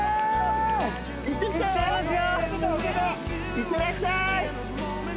いってらっしゃい！